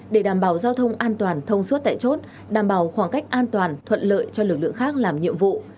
để đảm bảo giao thông an toàn thông suốt tại chốt đảm bảo khoảng cách an toàn thuận lợi cho lực lượng khác làm nhiệm vụ